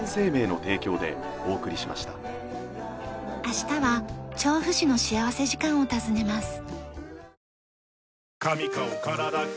明日は調布市の幸福時間を訪ねます。